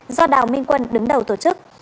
do đào minh quân đứng đầu tổ chức